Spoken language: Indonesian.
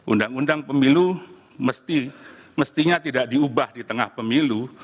undang undang pemilu mestinya tidak diubah di tengah pemilu